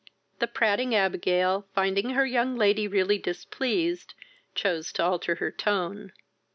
The prating Abigail, finding her young lady really displeased, chose to alter her tone.